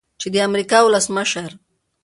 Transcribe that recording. چې د امریکا ولسمشر